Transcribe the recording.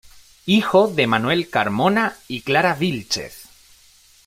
Hijo de Manuel Carmona y Clara Vílchez.